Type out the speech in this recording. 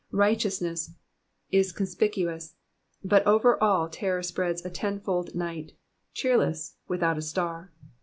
Righteousness is con spicuous, but over all terror spreads a tenfold night, cheerless, without a star.